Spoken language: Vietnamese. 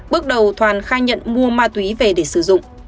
bước đầu toàn khai nhận mua ma túy về để sử dụng